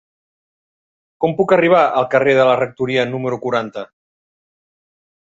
Com puc arribar al carrer de la Rectoria número quaranta?